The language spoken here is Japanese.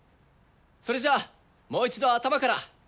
それじゃあもう一度頭から。